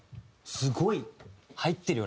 すごい入ってるよ